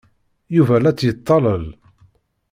Yuba la tt-yettalel.